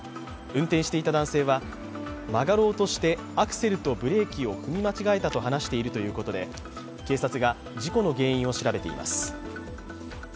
運転していた男性は曲がろうとしてアクセルとブレーキを踏み間違えたと話しているということで、警察が事故の原因を調べています。